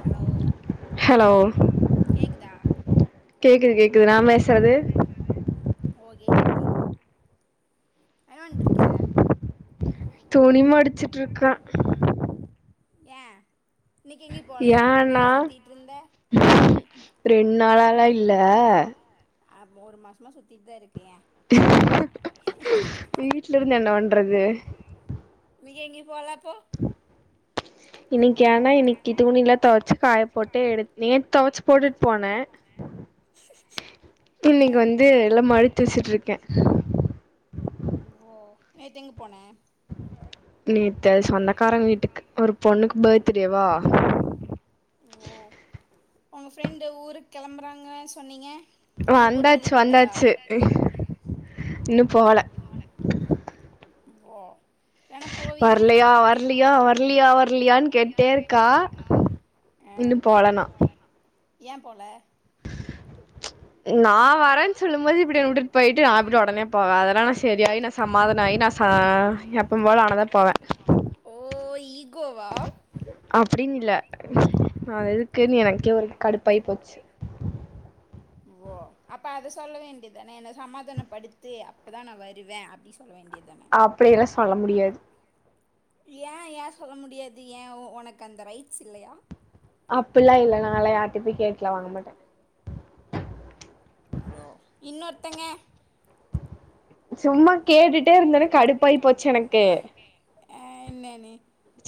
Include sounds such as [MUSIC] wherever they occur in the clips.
hello hello கேக்குதா கேக்குது கேக்குது நாபேசுறது எங்கவன்ட்டுருக்க துணி மடிச்சுட்டு இருக்கே ஏய ஏன்னா ரெண்டுநாளா ளா இல்ல ஆ மூனு மாசமா சுத்திட்டு தான் இருக்கு ஹூஹூ வீட்டு்ல இருந்து என்ன பண்றது அங்க எங்கயும் போலா போ இன்னைக் ஏனா இன்னைக்கு துணிலாம் துவச்சு காய போட்டு எடு நேற்று துவச்சு போட்டுட்டு போனேன் ஏ இன்னைக்கு வந்து எல்லாம் மடிச்சு வச்சுட்டு இருக்கேன் நேத் எங் போன நேத் சொந்தக்காரங் வீட்டுக்கு ஒரு பொண்ணுக்கு பர்த்டேவா ஓ உங்க ஃப்ரெண்டு ஊருக்கு கிளம்புறாங்க சொன்னிங்க வந்தாச்சு வந்தாச்சு இன்னும் போல ஓ வேணா போவீங்க வரலையா வரலியா வரலியா வரலியான்னு கேட்டே இருக்கா இன்னு போலனா யே போல [INAUDIBLE] நான் வரேன்னு சொல்லும் போது இப்படி என் விட்டுட்டு போயிட்டு நான் இப்படி உடனே போவேன் அதெல்லாம் நான் சரியாயி நான் சமாதனோ ஆயி நான் ஹா எப்ப போல ஆனா தான் போவேன் ஈக்கோவா அப்புடின்னு இல்ல நான்எதுக்குன்னு எனக்கே ஒரு கடுப்பாய் போச்சு ஓ அப்ப அதை சொல்ல வேண்டியதானேஎன்ன சமாதான படுத்து அப்பதான் நான் வருவேன் அப்டின்னு சொ சொல்ல வேண்டிய தானே அப்டியெல்லாம் சொல்ல முடியாது ஏன் ஏன் சொல்ல முடியாது ஏன் உனக்கு அந்த ரைட்ஸ் இல்லயா அப்புடில்லா இல்ல நாங்கலா யார்கிட்டையும் கேட்டுல வாங்க மாட்டோம் ஓ [UNINTELLIGIBLE] சும்மா கேட்டுட்டே இருந்தேன்னே கடுப்பாயி போச்சு எனக்கு ஆஹ் என்னன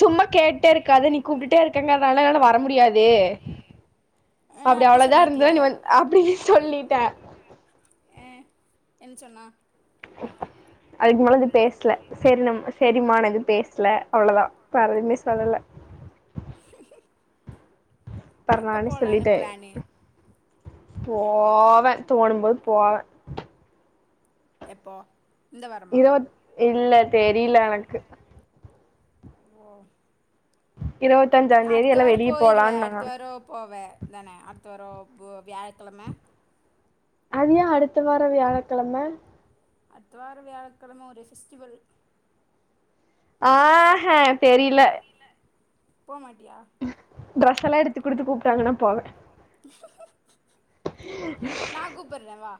சும்மாகேட்டுடே இருக்காத நீ கூப்பிட்டே இருக்கங்கறனால என்னல வர முடியாது ஆ அப்டி அவ்வளவுதான் இருந்தத சொல்லிட்டியா நீ வந்து அப்டின் சொல்லிட்டேன் என் சொன்னா அதுக்கு மேல இது பேசல சரி நம் சரிம நா எதும் பேசல அவ்வளவுதா வேற எதுவுமே சொல்லல எப்போ போலான்னு பிளானு [UNINTELLIGIBLE] போவேன் தோணும்போது போவன் எப்போ இந்த வாரமா இருவத் இல்ல தெரியல எனக்கு ஓ இருவத்தஞ்சாம் தேதி அடுத்த எல்லாம் வார வெளியே போயிருவே போலாம் நாங்க அடுத்த வாரோ போவே தானே அடுத்து வாரம் போ வியாழக்கிழமை அது ஏன் அடுத்த வாரம் வியாழக்கிழமை அடுத்த வாரம் வியாழக்கிழமை ஒரு எசிஸ்டிவல் ஆஹ்ஹ் தெரியல போமாட்டியா ட்ரெஸ் எல்லா எடுத்து குடுத்து கூப்ட்டாங்கன்னா போவே நான் கூபிடுறேவா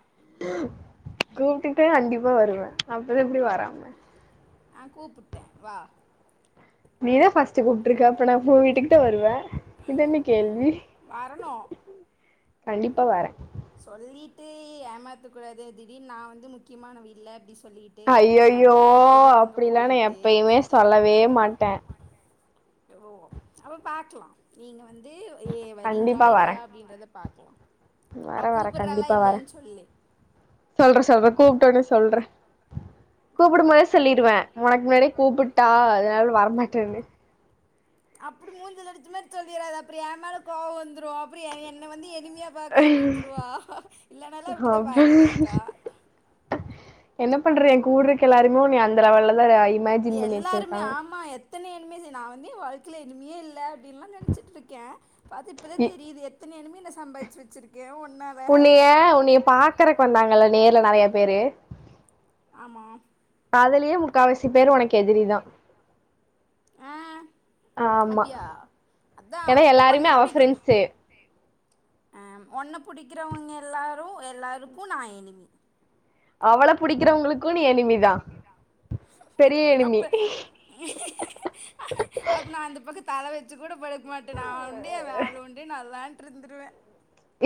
கூப்பிட்ட கண்டிப்பா வருவேன் அப்பதான் எப்படி வராம நான் கூப்புட்ட வா இன்னைக்கு தான் ஃபாஸ்ட் கூப்பட்டுருக்கேன் அப்ப நான் ஊ வீட்டுக்கிட்ட வருவேன் இதென்ன கேள்வி வரணு கண்டிப்பா வரேன் சொல்லிட்டு ஏமாத்த கூடாது திடீர் நான் வந்து முக்கியமான வ இல் அப்டி சொல்லிட்டு ஐய்யயோ முக்கியமானவங்க கூப்ட்டது அங்க அப்படிலாம் நான் போயிட்டு எப்பயுமே சொல்லவே மாட்டேன் ஓ அ பாக்கலாம் நீங்க வந்து ஏ வரீங்களா இல்லையா அப்படின்றத பாக்கலாம் வர வரே கண்டிப்பா வரே சொல்றேன் சொல்றேன் கூப்பிட்டோன்னு சொல்றன் கூப்பிடும் போதே சொல்லிடுவேன் உனக்கு முன்னாடிே கூப்பிட்டா அதனால வரமாட்டேன்னு அப்படி மூஞ்சுல அடிச்ச மாதிரி சொல்லிடத அப்பறம் ஏ மேல கோவம் வந்து அப்படி என்ன வந்து எனிமியா பாக்க ஆரம்பிச்சிருவா இல்லனால அப்படிதான் அப்ப பாத்துட்டு இருக்கா பண்றன் எனக்கு கூடு இருக்கு எல்லரும நீ அந்தலவலான் எல்லாருமே ஆமா எத்தனை என்னமே நான் வந்து வாழ்க்கையில எனிமியே இல்ல அப்டில்லாம் நினைச்சிட்டு இருக்கேன் பா இப்பதான் தெரியுது எத்தனை அ சம்பாதிச்சு வச்சிறுக்க உன்னிய உன்னிய பாக்குறக்கு வந்தாங்கல்ல நேர்ல நறைய பேரு ஆமா அதலயே முக்காவசி பேரு உனக்கு எதிரிதான் ஆ ஆமா அப்டியா அதா ஏன்னா எல்லாருமே அவ பெரெண்சு அஹ் ஒன்னு புடிக்கிறவங்க எல்லாரும் எல்லாருக்கும் நான் எனிமி அவ்ள பிடிக்கிறவங்களுக்கும் நீ எனிமிதா பெரிய எனிமி அப்ப அப்ப நான் அந்த பக்கத்து தல வச்சு படுக் ம நான் உண்டு வேலை உண்டு நல்ல தான் ட்ருந்துருவே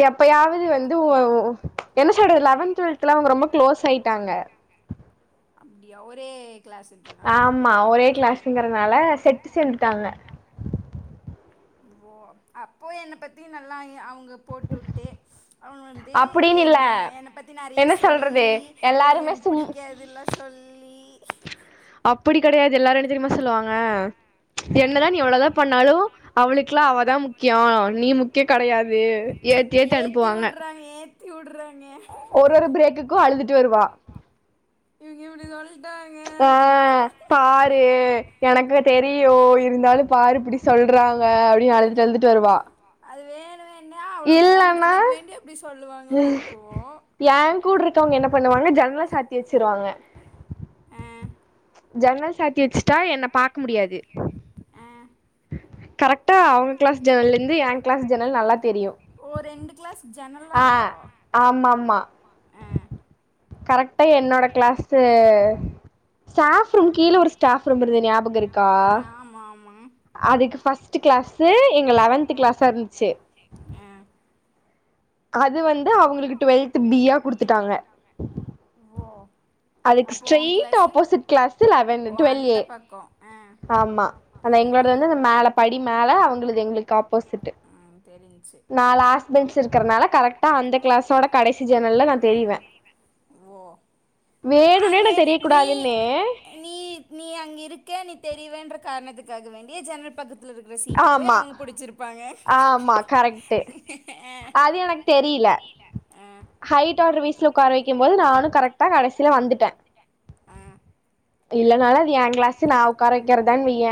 எப்பயாவது வந்து உ என்ன [UNINTELLIGIBLE] லெவன் டுவெல்த்ல அவங்க ரொம்ப க்ளோஸ் ஆயிட்டாங்க அப்டியா ஒரே கிளாஸ்ன்றனாலயா ஆமா ஒரே கிளாஸ்ங்கறனால செட்டு சேந்துட்டாங்க ஓ அப்போ என்ன பத்தி நல்லா அவுங்க போட்டு உட்டு அவ வந்து அப்படின்னு இல்ல என்ன என்ன பத்தி நெறயா என்ன சொல்றது சொல்லி ஏ எல்லாருமே என்ன சும் பிடிக்காதுல்லா சொல்லி அப்படி கெடையாது எல்லாரு என்ன தெரியுமா சொல்லுவாங்க ஆ, என்னதா நீ எவ்ளதா பண்ணாலு அவளுக்கல்லா அவ அதா முக்கியம் நீ முக்கியம் கிடயாது ஏத்து ஏத்து அனுப்புவாங்க த விடுறேன் ஒரு ஒரு பிரேக்குக்கு அழுதுட்டு வருவா இவங்க இப்டிதானே ப்பா பாரு எனக்கு தெரியு இருந்தாலு பாரு இப்டி சொல்றாங்க அப்டின்னு அழுதுட்டு அழுதுட்டு வருவா வேண வேண்டம் இல்லன்னா நோன்றதுக்கு வேண்டி அப்படி சொல்ற ஏ கூட இருக்கவங்க என்ன பண்ணுவாங்க ஜன்னல சாத்தி வச்சிருவாங்க ஆ ஜன்னல் சாத்தி வச்சுட்டா என்ன பாக்க முடியாது ஆ கரெக்டா அவங்க கிளாஸ் ஜனல் இருந்து என் கிளாஸ் ஜெனல் நல்லா தெரியும் ஓ ரெண்டு கிளாஸ் ஜன்னல்லாம் ஆஹ இருக்கா ஆமா ஆமா ஆ கரெக்ட் என்னோட கிளாஸ் ஸ்டாப் ரூம் கீழ ஒரு ஸ்டாப் ரூம் இருந்தே ஞாபகம் இருக்கா ஆ ஆமா ஆமா அதுக்கு பஸ்ட் கிளாஸ் எங்க லெவன்த் கிளாஸா இருந்துச்சு ஆ அது வந்து அவங்களுக்கு டுவெல்த் பியா குடுத்துட்டாங்க ஓ அதுக்கு அப்போ உ ஸ்டட் கிளாஸு ஆப்போசிட் கிளாஸ் லெவன்ட் ஓ டுவல் அந்த ஏ பக்கோ ஆ ஆமா அதா ஆ ஆ எங்களோடது மேல படி மேல அவங்களது எங்களுக்கு ஆப்போசிட் ம் தெரிஞ்ச்சு நா லாஸ்ட் பேன்ஞ் இருக்கறனால கரெக்டா அந்த கிளாஸ்சோட கடைசி ஜன்னலா நான் தெரிவேன் ஓ வேணும்னே அங்கே தெரியக்க நீ கூடாதுன்னு நீ நீ ஆக வேண்டிய ஜன்னல் பக்கத ல இருக்க சீட்டு போய் ஆமா அவங்க புடிச்சிருப்பாங்க ஆமா காரைட் தெரியல ஹைட் அடர்வஸ்ல உக்காரவக்கும் போது நானும் கரெக்டா கடைசியில வந்துட்டேன் ஆ இல்லனாலு அது என் கிளாசு நான் உட்கார வைக்கிறதானன்வைய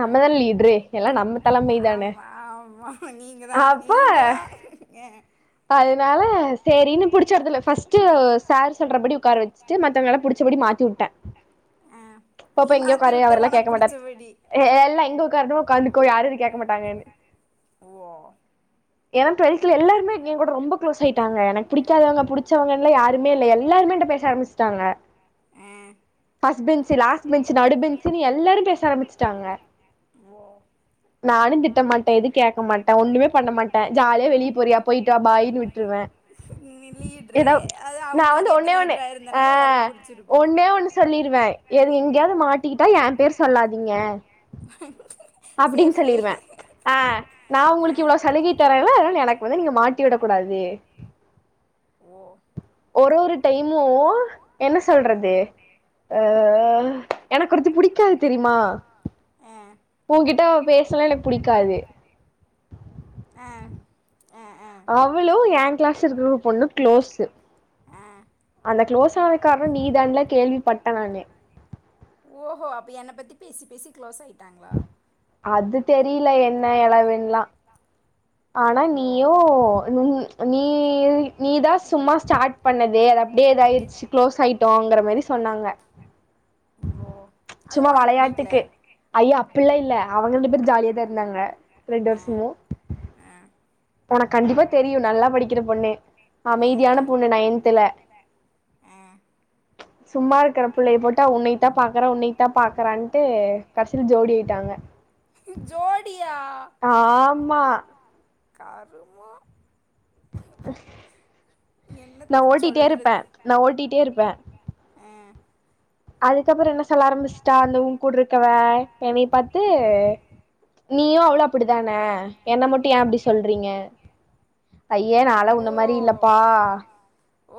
நம்மதான லிட்ரு ஆ எல்லாம் நம்ம தலைமைதானே ஆமா ஆமா நீங்க அ தான் அப்போ நீங்க தான் அதனால செரின்னு புடிச்சறதுல பர்ஸ்ட் சரு சொல்றபடி உட்கார வச்சுட்டு மத்தவங்கால புடிச்சபடி மாத்தி விட்டேன் ஆ இப்ப நீ இப்ப எங்க மாத்தி உக்காரு விட்ட அவர் லா உனக்கு கேட்க மாட்டார் பிடிச்சபடி எல்லா எங்க உடக்காருன்ன உட்காந்துக்கோ யாரும் இது கேட்க மாட்டாங்கன்னு ஓ என்ன டுள்த் எல்லாருமே ரொம்பளோஸ் ஆயிட்டாங்க எனக் பிடிக்காதவங்கவ புடிச்சவங்க ல யாருமே இல்ல எல்லாருமே என் ட பேச ஆரம்பிச்சிட்டாங்க ஆ பர்ஸ்ட் பேன்ச் லாஸ்ட் பேன்ச் நடுபேன்ச் எல்லாரு பேச ஆரம்பிச்சிட்டாங்க ஓ நானும் திட்ட மாட்டேன் எது கேட்க மாட்டேன் ஒண்ணுமே பண்ண மாட்டே ஜாலி ஆளே வெளி போரியா போயிட்டு வ பாய் விட்டுருவேன் நீ லீட்ரு ஏதோ அது நான வந்து அவங்களுக்கு ஏற்ற ஒன்னே ஒண்ணு லீடராக ஆ இருந்தனால எல்லாருக்கும் பிடிச்சிருக்கும் ஒன்னே ஒண்ணு சொல்லிருவேன் எது எங்கேயாவது மாட்டிக்கிட்டா என் பேரு சொல்லாதீங்க அப்படின்னு சேஃபு சொல்லிருவேன் ஆ நான் உங்களுக்கு இவ்வளவு சலுகை தரல மொதல்ல வந்து நீங்க மாட்டி விடக் கூடாது ஓ ஒரு ஒரு டைமு என்ன சொல்றது அஹ எனக்கு ஒருத்து பிடிக்காது தெரியுமா ஆ உன்கிட்ட அவ பேசலா எனக்கு பிடிக்காது ஆ ஆ ஆ அவ்ளோ எ கிளாஸ் இருக்க பொண்ணு க்ளோஸ் ஆ அந்த க்ளோஸ் காரண நீதானல கேள்விபட்ட நானு என்ன பத்தி பேசி பேசி க்ளோஸ் ஆயிட் அது தெரியல என்ன எளவுன்னலா ஆனா ஓ நீயோம் நீ நீ நீ-நீ தாஸ் சும்மா ஸ்டார்ட் பண்ணது அது அப்டியே ஏதாயிடுச்சு க்ளோஸ் ஆயிட்டோங்கரோ மாரி சொன்னாங்க ஓ அது சும்மா உனக்கு விளையாட்டுக்கு ஐயா பிடிக்கல அப்படலா இல்ல அவங்க ரெண்டு பேர் ஜாலியா தான் இருந்தாங்க ரெண்டு வருஷமும் அமைதியான கண்டிப்பா தெரியு நல்லா படிக்கிற பொண்ணு அமைதியான பொண்ணு நயந்த்ல சும்மா புள்ளை போட்டா உன்னைத பாக்கற உன்னைத பாக்குறான்ட்டு கடசியில ஜோடி ஆயிட்டாங்க ஜோடியா ஆமா கருமோ அ நா என்னத்த ஓட்டிட்டே சொல்றது இருப்பேன் நா ஓட்டிட்டே இருப்பேன் ஆ அதுக்கப்பறம் என்ன சொல்ல ஆரம்பிச்சிட்டா அந்த உன் கூடு இருக்கவ என்னை பாத்த நீயும் நீயும் அவ்ளோம் அப்டித்தான என்ன மட்டும் ஏ அப்டி சொல்றீங்க ஐய நால உன்ன ஓ மாரி இல்லப்பா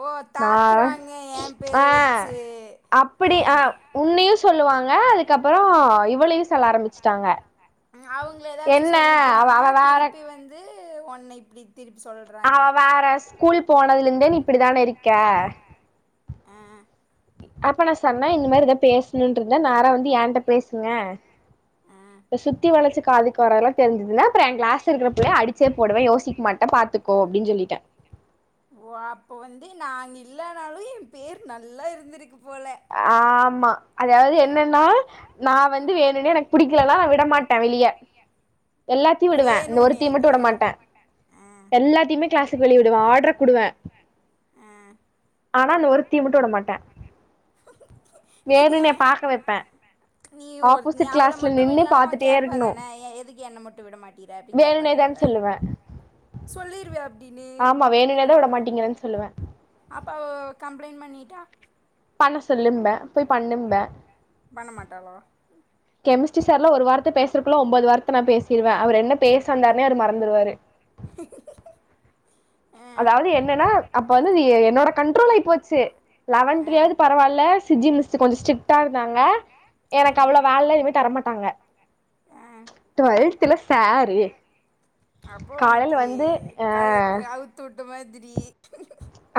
ஓ நா தாக்குறாங்க என் பேர ஆ ஆ வச்சு ஆ அப்டி உன்னையும் சொல்லுவாங்க அதுக்கு அதுக்கப்புறம் இவ்வளையும் சொல்ல ஆரம்பிச்சிட்டாங்க ம் அவுங்கள ஏதாச்சு சொல்லி போனா அவ திருப்பி வந்து ஒன்னை இப்படி ஆவ வேற ஸ்கூல் போன அதுல இருந்தே நீ இப்டித்தானே இருக்க [INAUDIBLE] அப்ப நா ஏகிட்ட பேசுங்க ஆ இப்ப சுத்தி வளச்சு காதுக்கு வரது எல்லாம் தெரிஞ்சுதுன்ன அப்ற என் கிளாஸ் இருக்கிற புள்ள அடிச்சே போடுவே யோசிக்க மாட்டே பாத்துக்கோ அப்டின்னு சொல்லிட்டே ஓ அப்போ வந்து நாங்க இல்லனாலு என் பேர் நல்லா இருந்திருக்கு போல ஆமா அதாவது என்னன்னா நா வந்து வே ன்னனு எனக்கு புடிக்கலனா நா விடமாட்ட வெளிய எல்லாத்தையு விடுவே அந்த வேணுனே ஒருத்திய மட்டும் ஆ விடமாட்டே எல்லாத்தையுமே கிளாஸ் வெளியவிடுவாள் [UNINTELLIGIBLE] உடுவே ஆனா நா ஒருத் த்தி மட்டு விட மாட்டே வேணும்னே பாக்க வைப்பே நீ ஒரு நீ ஆப்போசிட் அவள கிளாஸ்ல மட்டும் நின்னு விடலானா அவ பாத்துட்டே இருக்கணு கேப்பாதான ஏன் எதுக்கு என்னை மட்டும் விட மாட்டீற அப்டி கேப்பாதான வேணுனேதான்னு அவ சொல்லுவே சொல்லிருவியா அப் ஆமா வேணும்னு தான் விட மாட்டீங்கிற சொல்லுவேன் அப்போ கம்ப்ளைன்ட் பண்ணிட்டா பண்ண சொல்லும்பே போய் பண்ணும்ப பண்ணமாட்டாளா கெமிஸ்ட்ரி சார்லா ஒரு வார்த்த பேசுறக்குள்ள ஒம்போது வார்த்த நா பேசிருவே அவர் என்ன பேச வந்தாருனே அவரு மறந்துருவாரு ஆ அதாவது என்னன்னா அப்ப வந்து என்னோட கண்ட்ரோல் ஆயிபோச்சு ஆ லாவந்த்லியாவது பரவாயில்ல சுஜி மிஸ் கொஞ்ச ஸ்ட்ரிக்டா இருதாங்க ஆ எனக்கு அவ்ளவு வேல தர ட்டாங்க ஆ டுவல்த் த்துல சாரு அப்போ காலைல உனக்கி வந்து ஆ கல் அவுத்து விட் விட்ட மாதிரி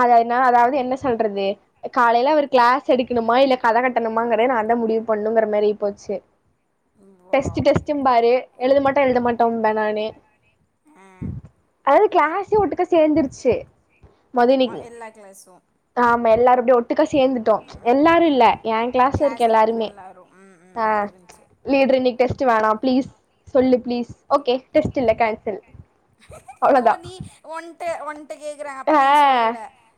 அத என்ன அதாவது என்ன சொல்றது காலயில அவுரு கிளாஸ் எடுக்கணுமா இல்ல கதை கட்டணுமாங்கிறத நாந்தா முடிவு பண்ணணுங்கிற மாரி ஆயிப்போச்சு ஓ டெஸ்-டெஸும் பாரு எழுத மாட்டே-எழுத மாட்டோன்ப நானு ஆ அதாவது கிளாஸ் ச்சு ஒட்டுக்கா சேந்துருச்சு ஆ எல்லா கிளாஸு ஆமா எல்லாரு அப்டியே ஒட்டுக்கா சேந்துட்டோ ம் எல்லாரு இல்ல ம் ஏன் கிளாஸ்ல இருக்க இருக்கிற எல்லாருமே எல்லாரு ம் ம் ப்பா ம் புரிஞ்ச்சு லீடர்ன்னுட்டு வேணாம் பிளீஸ் சொல்லு பிளீஸ் ஓகே இல்ல அவோள ஓ தான் நீ ஒன்ட்ட ஒன்ட்ட கேக்குறாங்க அப்ப நீ சொல்லுவ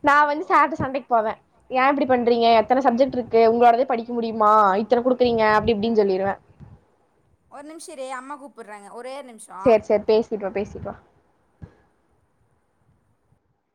நான் ஓ வந்து சார்ட்ட சண்டேக்கு போவேன் ஏன் இப்டி பண்றீங்க எத்தனை சப்ஜெக்ட் இருக்கு உங்களோட படிக்க முடியுமா இத்தனை கொடு இருக்கிங்க ஒரு நிமிஷம் இரு அம்மா கூப்புட்றாங்க ஒரே ஒரு நிமிஷோ சேரி சேரி பேசிட்டு வா பேசிட்டு வா